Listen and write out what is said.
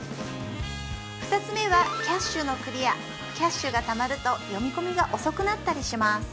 ２つ目はキャッシュのクリアキャッシュがたまると読み込みが遅くなったりします